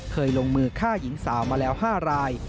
เคยลงมือฆ่าหญิงสาวมาแล้ว๕ราย